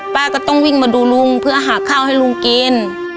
ป้าก็ต้องวิ่งมาดูลุงเพื่อหาข้าวให้ลุงกิน